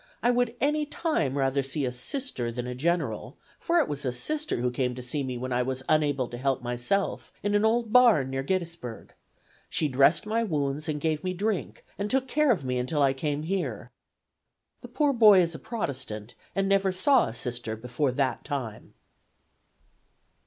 I would any time rather see a Sister than a general, for it was a Sister who came to see me when I was unable to help myself, in an old barn near Gettysburg. She dressed my wounds and gave me drink, and took care of me until I came here.' The poor boy is a Protestant, and never saw a Sister before that time.